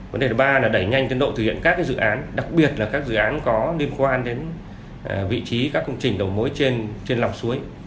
vấn đề thứ ba là đẩy nhanh tiến độ thực hiện các dự án đặc biệt là các dự án có liên quan đến vị trí các công trình đầu mối trên lọc suối